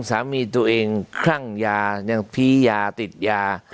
สามีตัวเองคลั่งยายังพียาติดยา